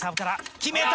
決めた！